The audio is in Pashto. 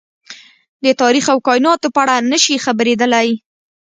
د تاريخ او کايناتو په اړه نه شي خبرېدلی.